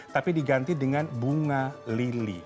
tapi diganti dengan bunga lili